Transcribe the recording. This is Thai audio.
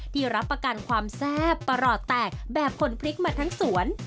รับประกันความแซ่บประหลอดแตกแบบผลพลิกมาทั้งสวน